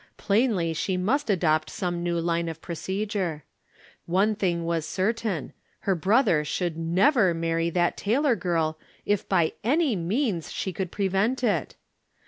Plainly she must adopt some new line of procedure. One thing was cer tain — her brother should never marry that Tay lor girl if by any means she could prevent it